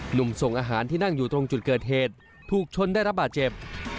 หนุ่มส่งอาหารที่นั่งอยู่ตรงจุดเกิดเหตุถูกชนได้รับบาดเจ็บ